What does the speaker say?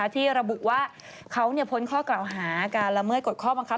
ที่ระบุว่าเขาพ้นข้อกล่าวหาการละเมิดกฎข้อบังคับ